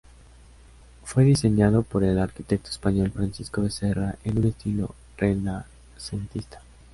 Fue diseñado por el arquitecto español Francisco Becerra, en un estilo renacentista.